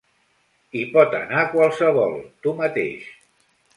Hi pot anar qualsevol: tu mateix.